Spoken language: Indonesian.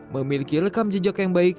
memiliki rekam jejak yang baik